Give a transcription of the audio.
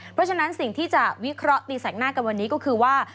เพราะฉะนั้นสิ่งที่จะวิเคราะห์ตีแสกหน้ากันวันนี้ก็คือว่า